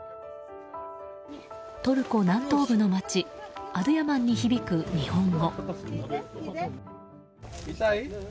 トルコ南東部の街アドゥヤマンに響く日本語。